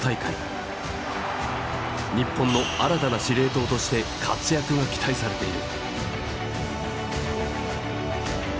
日本の新たな司令塔として活躍が期待されている。